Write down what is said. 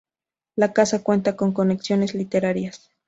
La casa cuenta con conexiones literarias.